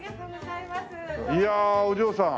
いやお嬢さん。